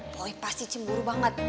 boy pasti cemburu banget